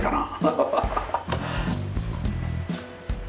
ハハハハハ。